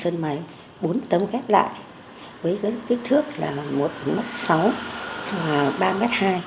trong một cái tấm sơn mài bốn tấm ghép lại với cái kích thước là một m sáu và ba m hai